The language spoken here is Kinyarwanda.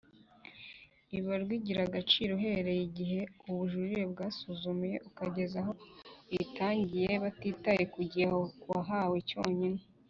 ibarwa igira agaciro uhereye igihe ubujurire bwasuzumiwe ukageza aho uyitangiye batitaye kugihe wahawe cyonyine